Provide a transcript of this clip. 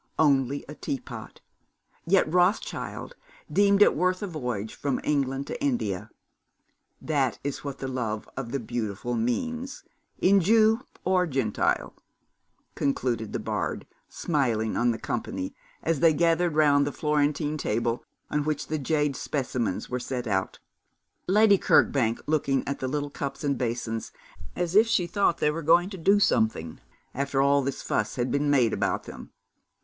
Only a tea pot. Yet Rothschild deemed it worth a voyage from England to India. That is what the love of the beautiful means, in Jew or Gentile,' concluded the bard, smiling on the company, as they gathered round the Florentine table on which the jade specimens were set out, Lady Kirkbank looking at the little cups and basins as if she thought they were going to do something, after all this fuss had been made about them.